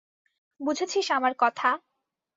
বুঝেছিস আমার কথা?